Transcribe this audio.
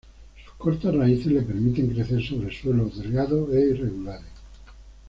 Sus cortas raíces le permiten crecer sobre suelos delgados e irregulares.